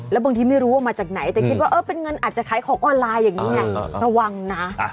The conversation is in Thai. แล้วบางทีไม่รู้ว่ามาจากไหนแต่คิดว่าเออเป็นเงินอาจจะขายของออนไลน์อย่างนี้ไงระวังนะ